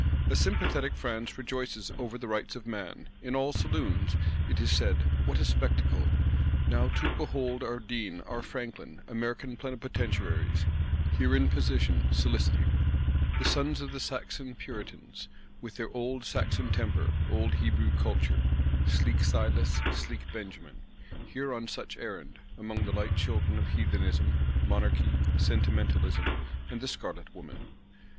A sympathetic France rejoices over the Rights of Man; in all saloons, it is said, What a spectacle! Now too behold our Deane, our Franklin, American Plenipotentiaries, here in position soliciting; the sons of the Saxon Puritans, with their Old Saxon temper, Old Hebrew culture, sleek Silas, sleek Benjamin, here on such errand, among the light children of Heathenism, Monarchy, Sentimentalism, and the Scarlet woman.